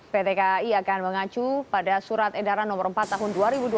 pt kai akan mengacu pada surat edaran no empat tahun dua ribu dua puluh